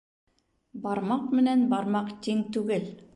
Бармаҡ менән бармаҡ тиң түгел